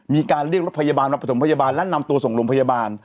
มีการพยาบาลหนักประธมพยาบาลและนำตัวส่งรมพยาบาล